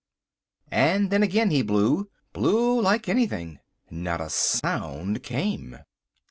And then again he blew—blew like anything. Not a sound came.